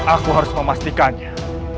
aku harus memastikannya